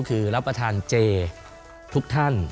คือรับประทานเจทุกท่าน